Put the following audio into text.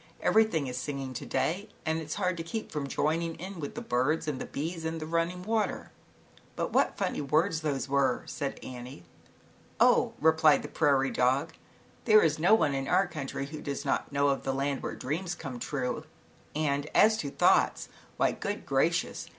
Everything is singing to day and it is hard to keep from joining in with the birds and the bees and the running water." El 94 ZAUBERLINDA, THE WISE WITCH. "But what funny words those were," said Annie. "Oh," replied the prairie dog, "There is no one in our country, who does not know of the land where dreams come true, and as to thoughts, why good gracious!